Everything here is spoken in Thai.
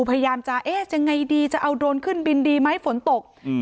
พยายามจะเอ๊ะยังไงดีจะเอาโดรนขึ้นบินดีไหมฝนตกอืม